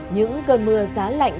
những cơn mưa giá lạnh